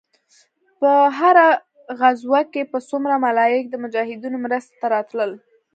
په هره غزوه کښې به څومره ملايک د مجاهدينو مرستې ته راتلل.